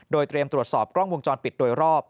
โดยเตรียมตรวจสอบกล้องวงจรปิดโดยรอบ